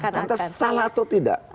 nanti salah atau tidak